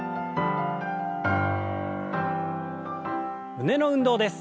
胸の運動です。